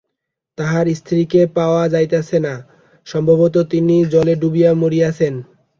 তাহার স্ত্রীকে পাওয়া যাইতেছে না, সম্ভবত তিনি জলে ডুবিয়া মরিয়াছেন।